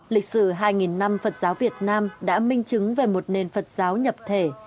lịch sử hai năm phật giáo việt nam đã minh chứng về một nền phật giáo nhập thể